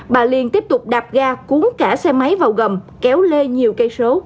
bà liên tiếp tục đạp ga cuốn cả xe máy vào gầm kéo lê nhiều cây số